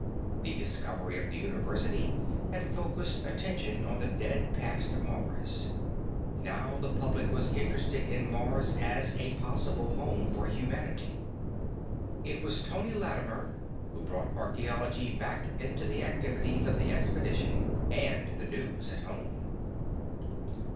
The discovery of the University had focused attention on the dead past of Mars; now the public was interested in Mars as a possible home for humanity. It was Tony Lattimer who brought archaeology back into the activities of the expedition and the news at home.